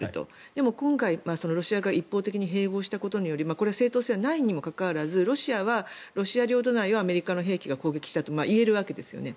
でも今回、ロシア側が一方的に併合したことによりこれは正当性はないにもかかわらずロシアはロシア領土内をアメリカの兵器が攻撃したと言えるわけですよね。